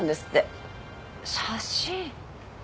写真。